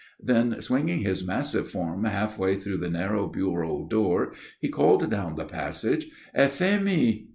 Then, swinging his massive form halfway through the narrow bureau door, he called down the passage, "Euphémie!"